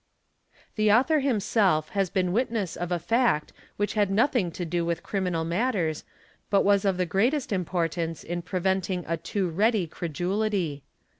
The author himself has been witness of a fact which had nothing to do with criminal matters, but was of the greatest importance in preventing a too ready credulity.